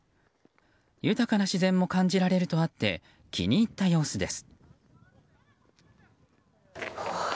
豊かな自然も感じられるとあって気に入った様子です。